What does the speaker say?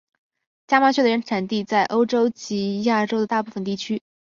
家麻雀的原产地在欧洲及亚洲的大部份区域。